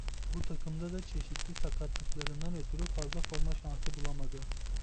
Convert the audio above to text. Bu takımda da çeşitli sakatlıklarından ötürü fazla forma şansı bulamadı.